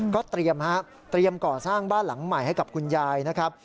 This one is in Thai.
ก็เตรียมฮะเตรียมก่อสร้างบ้านหลังใหม่ให้กับคุณยายนะครับ